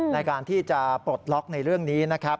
ในการที่จะปลดล็อกในเรื่องนี้นะครับ